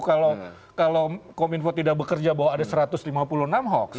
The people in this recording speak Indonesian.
kalau kominfo tidak bekerja bahwa ada satu ratus lima puluh enam hoax